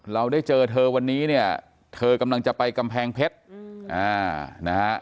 เราได้เจอเธอวันนี้เธอกำลังจะไปกำแพงเพชร